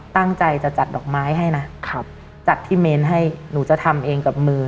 ตั้งใจจะจัดดอกไม้ให้นะครับจัดที่เมนให้หนูจะทำเองกับมือ